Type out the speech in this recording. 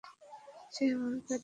সে আমার ব্যাচের।